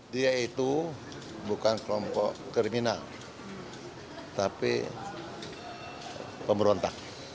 dia itu bukan kelompok kriminal tapi pemberontak